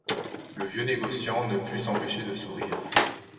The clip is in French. Le vieux négociant ne put s’empêcher de sourire.